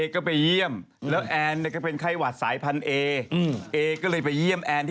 เขาจะอ่านคุณเอแล้ว